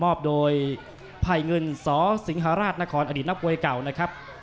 มอบโดยภัยเงินสสิงหาราชนครอนปเก่านะครับ